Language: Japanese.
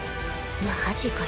マジかよ